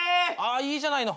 いいじゃないの。